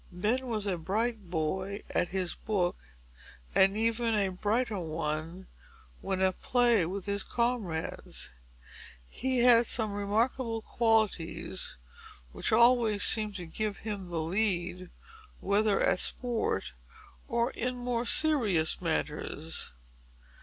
Ben was a bright boy at his book, and even a brighter one when at play with his comrades. He had some remarkable qualities which always seemed to give him the lead, whether at sport or in more serious matters.